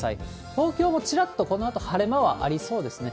東京もちらっとこのあと晴れ間はありそうですね。